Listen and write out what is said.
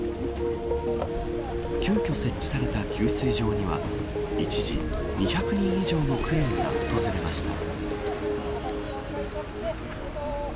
急きょ設置された給水場には一時、２００人以上の区民が訪れました。